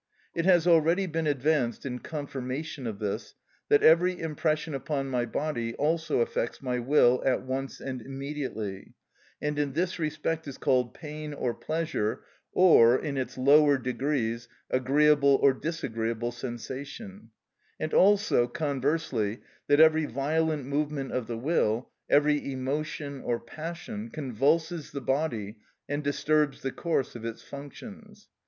It has already been advanced in confirmation of this that every impression upon my body also affects my will at once and immediately, and in this respect is called pain or pleasure, or, in its lower degrees, agreeable or disagreeable sensation; and also, conversely, that every violent movement of the will, every emotion or passion, convulses the body and disturbs the course of its functions.